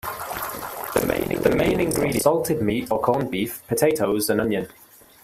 The main ingredients are salted meat or corned beef, potatoes, and onion.